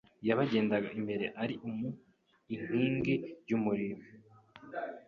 yabagendaga imbere ari mu nkingi y’umuriro